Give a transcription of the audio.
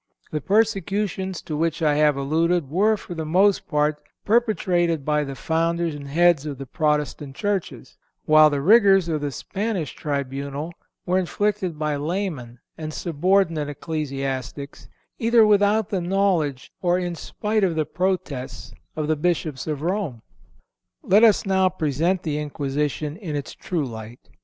The persecutions to which I have alluded were for the most part perpetrated by the founders and heads of the Protestant churches, while the rigors of the Spanish tribunal were inflicted by laymen and subordinate ecclesiastics, either without the knowledge or in spite of the protests of the Bishops of Rome. Let us now present the Inquisition in its true light.